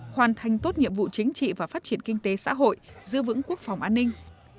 hoàn thành tốt nhiệm vụ chính trị và phát triển kinh tế xã hội giữ vững quốc phòng an ninh